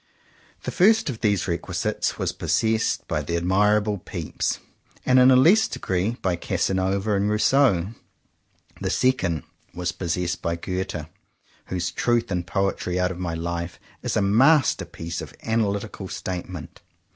The first of these requisites was possessed by the admirable Pepys, and in a less degree by Casanova and Rousseau. The second was possessed by Goethe, whose "Truth and Poetry out of my Life" is a masterpiece of analytical statement.